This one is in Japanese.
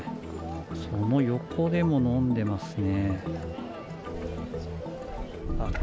その横でも飲んでますね。